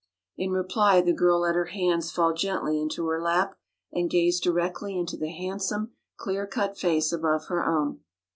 In reply the girl let her hands fall gently into her lap and gazed directly into the handsome, clear cut face above her own.